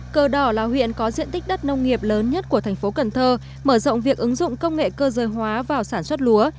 cờ đỏ là huyện có diện tích đất nông nghiệp lớn nhất của thành phố cần thơ mở rộng việc ứng dụng công nghệ cơ giới hóa vào sản xuất lúa